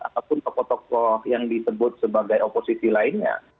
ataupun tokoh tokoh yang disebut sebagai oposisi lainnya